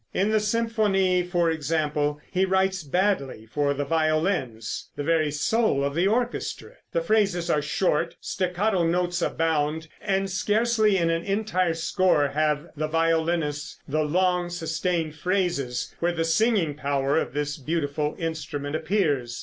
In the symphony, for example, he writes badly for the violins, the very soul of the orchestra. The phrases are short, staccato notes abound, and scarcely in an entire score have the violinists the long sustained phrases, where the singing power of this beautiful instrument appears.